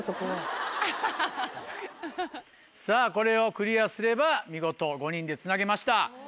さぁこれをクリアすれば見事５人でつなげました。